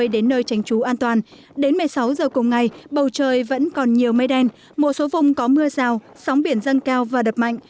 đến một mươi sáu giờ cùng ngày bầu trời vẫn còn nhiều mây đen một số vùng có mưa rào sóng biển răng cao và đập mạnh